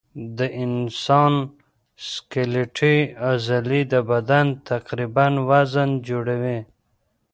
د انسان سکلیټي عضلې د بدن تقریباً وزن جوړوي.